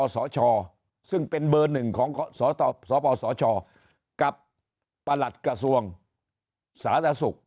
สชซึ่งเป็นเบอร์หนึ่งของสปสชกับประหลัดกระทรวงสาธารณสุข